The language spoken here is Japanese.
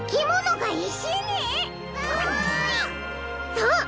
そう！